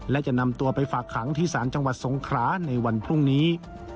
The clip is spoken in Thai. และจะนำตัวไปฝากขังที่ศาลจังหวัดสงคราในวันพรุ่งนี้